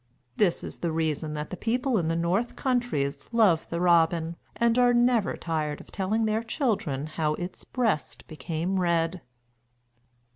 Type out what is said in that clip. This is the reason that the people in the North countries love the robin, and are never tired of telling their children how its breast became red.